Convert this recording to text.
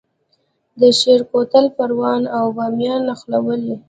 د شیبر کوتل پروان او بامیان نښلوي